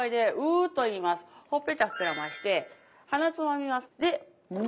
ほっぺた膨らまして鼻つまみます。